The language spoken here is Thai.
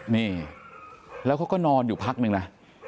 นี่แล้วเขาก็นอนอยู่พักนึงนะ